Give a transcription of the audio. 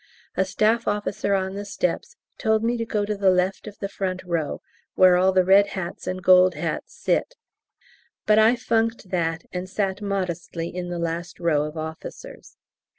A staff officer on the steps told me to go to the left of the front row (where all the red hats and gold hats sit), but I funked that and sat modestly in the last row of officers.